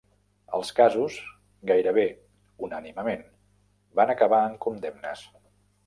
Els casos, gairebé unànimement, van acabar en condemnes.